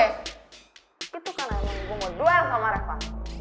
itu kan anak yang gue mau duel sama reva